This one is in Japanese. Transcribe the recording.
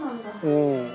うん。